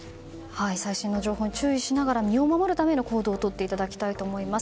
最新の情報に注意しながら身を守るための行動をとっていただきたいと思います。